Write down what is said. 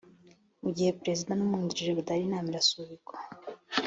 mu gihe perezida n’umwungirije badahari inama irasubikwa